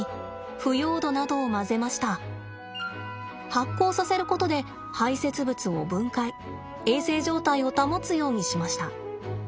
発酵させることで排せつ物を分解衛生状態を保つようにしました。